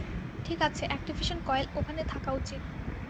ঠিক আছে, activation coil ওখানে থাকা উচিত।